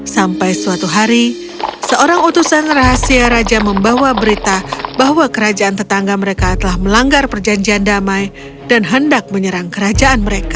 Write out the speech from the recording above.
sampai suatu hari seorang utusan rahasia raja membawa berita bahwa kerajaan tetangga mereka telah melanggar perjanjian damai dan hendak menyerang kerajaan mereka